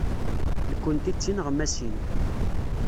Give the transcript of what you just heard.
Nekkenti d tineɣmasin.